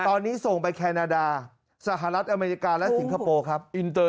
ตอนนี้ส่งไปแคนาดาสหรัฐอเมริกาและสิงคโปร์ครับอินเตอร์